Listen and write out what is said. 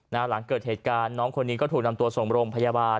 หลังเกิดเหตุการณ์น้องคนนี้ก็ถูกนำตัวส่งโรงพยาบาล